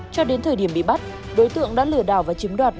cho đến thời điểm bị bắt đối tượng đã lừa đảo và chiếm đoạt